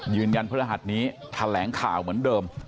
ยืนยันพฤหัสนี้แถลงข่าวเหมือนเดิม